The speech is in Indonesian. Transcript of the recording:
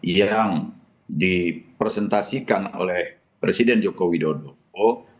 yang dipresentasikan oleh presiden joko widodo